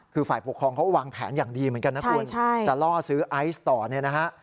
คือฝ่ายปกครองเขาวางแผนอย่างดีเหมือนกันนะคุณจะล่อซื้อไอซ์ต่อเนี่ยนะฮะ